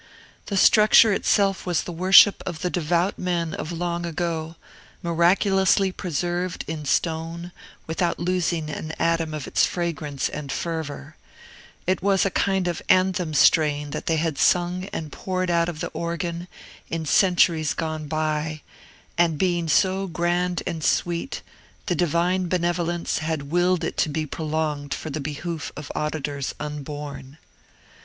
The structure itself was the worship of the devout men of long ago, miraculously preserved in stone without losing an atom of its fragrance and fervor; it was a kind of anthem strain that they had sung and poured out of the organ in centuries gone by; and being so grand and sweet, the Divine benevolence had willed it to be prolonged for the behoof of auditors unborn.